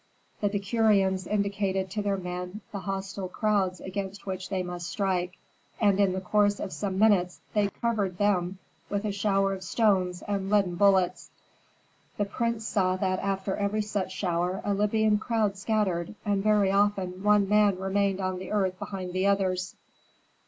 The decurions indicated to their men the hostile crowds against which they must strike, and in the course of some minutes they covered them with a shower of stones and leaden bullets. The prince saw that after every such shower a Libyan crowd scattered and very often one man remained on the earth behind the others.